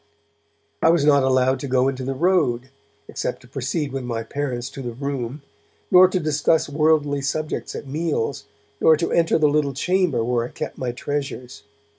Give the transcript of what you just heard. I was not allowed to go into the road, except to proceed with my parents to the Room, nor to discuss worldly subjects at meals, nor to enter the little chamber where I kept my treasures.